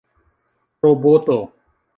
roboto